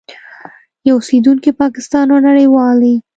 یو اوسېدونکی پاکستان او نړیوالي